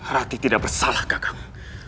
rati tidak bersalah kakakmu